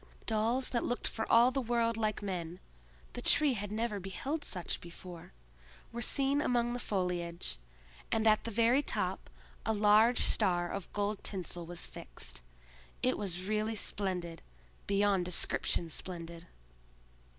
Dolls that looked for all the world like men—the Tree had never beheld such before—were seen among the foliage, and at the very top a large star of gold tinsel was fixed. It was really splendid—beyond description splendid.